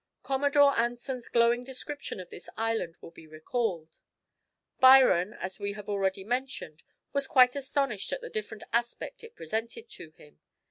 Commodore Anson's glowing description of this island will be recalled. Byron, as we have already mentioned, was quite astonished at the different aspect it presented to him.